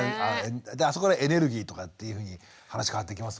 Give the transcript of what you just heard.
あそこからエネルギーとかっていうふうに話変わってきますもんね。